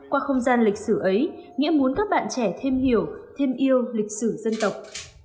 qua không gian lịch sử ấy nghĩa muốn các bạn trẻ thêm hiểu thêm yêu lịch sử dân tộc